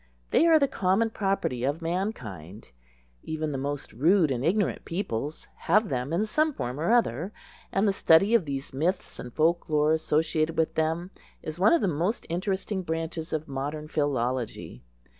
They are the common property of mankind. Even the most rude and ignorant peoples have them in some form or other, and the study of these myths and the folk lore associated with them is one of the most interesting branches of modern philology.